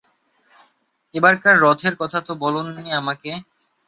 এবারকার রথের কথা তো বলেননি আমাকে?